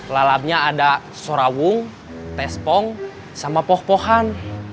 lalapnya ada sorawung tes pong sama poh pohan